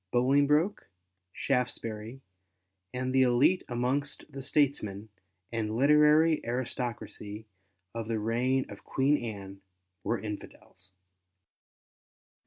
Bolingbroke, Shaftesbury, and, the elite amongst the statesmen and literary aristocracy of the reign of Queen Anne were Infidels.